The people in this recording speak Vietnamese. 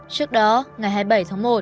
trước đó ngày hai mươi bảy tháng một